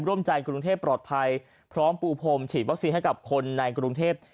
ร่วมใจกรุงเทพปลอดภัยพร้อมปูพรมฉีดวัคซีนให้กับคนในกรุงเทพ